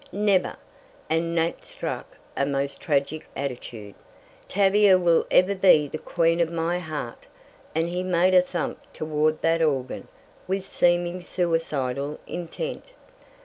"Never!" and Nat struck a most tragic attitude. "Tavia will ever be the queen of my heart!" and he made a thump toward that organ, with seeming suicidal intent.